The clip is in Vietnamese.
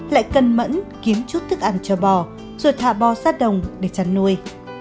lại cân mẫn kiếm chút thức ăn cho bò rồi thả bò ra đồng để chăn nuôi